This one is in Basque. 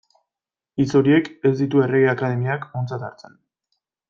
Hitz horiek ez ditu Errege Akademiak ontzat hartzen.